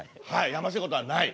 「やましいことはない」。